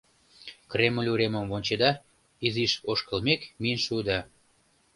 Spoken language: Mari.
Кремль уремым вончеда, изиш ошкылмек, миен шуыда.